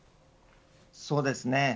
そうですね。